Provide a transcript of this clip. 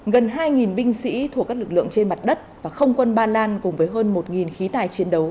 gần hai binh sĩ thuộc các lực lượng trên mặt đất và không quân ba lan cùng với hơn một khí tài chiến đấu